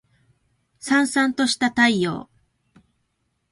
燦燦とした太陽